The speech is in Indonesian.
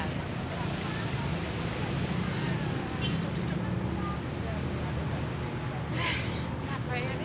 aku nyari kertas sama pulpen dulu ya